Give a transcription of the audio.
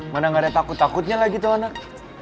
mana gak ada takut takutnya lagi tuh anak